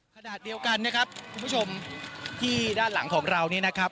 ขณะเดียวกันนะครับคุณผู้ชมที่ด้านหลังของเรานี้นะครับ